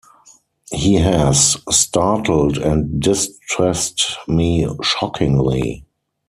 He has startled and distressed me shockingly!